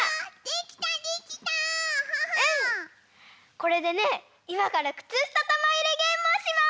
これでねいまからくつしたたまいれゲームをします！